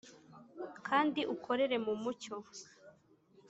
kandi ukorere mu mucyo